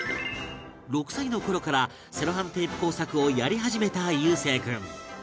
６歳の頃からセロハンテープ工作をやり始めた悠生君